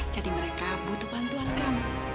jadi mereka butuh bantuan kamu